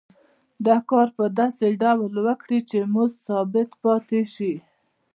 دا کار په داسې ډول وکړي چې مزد ثابت پاتې شي